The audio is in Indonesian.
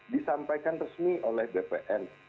disampaikan resmi oleh bpn